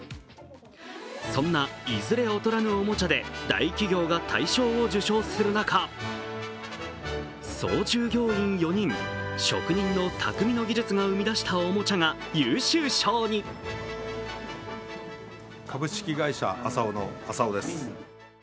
そんないずれ劣らぬおもちゃで大企業が大賞を受賞する中、層従業員４人、職人の匠の技術が生み出したおもちゃが優秀賞を受賞。